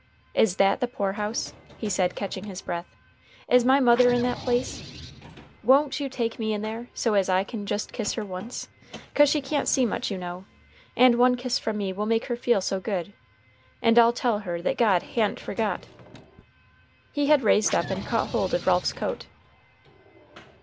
"Is that the poor house?" he said, catching his breath. "Is my mother in that place? Won't you take me in there, so as I can just kiss her once? 'Cause she can't see much, you know. And one kiss from me will make her feel so good. And I'll tell her that God ha'n't forgot." He had raised up and caught hold of Ralph's coat.